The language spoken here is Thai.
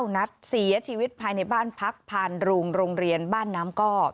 นัดเสียชีวิตภายในบ้านพักผ่านโรงโรงเรียนบ้านน้ำก้อ